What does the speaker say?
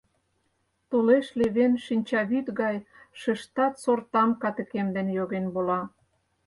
Тулеш левен, шинчавӱд гай шыштат сортам катыкемден йоген вола.